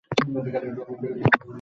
এসো, চলো।